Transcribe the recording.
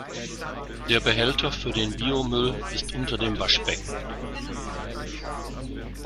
Der Behälter für den Biomüll ist unter dem Waschbecken.